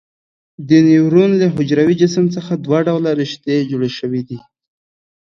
د نیورون له حجروي جسم څخه دوه ډوله رشتې جوړې شوي دي.